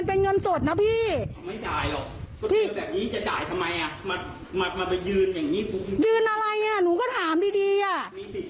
มันจะให้คนเขารู้ได้ยังไงว่ามันไม่ถูก